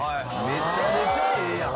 めちゃめちゃええやん！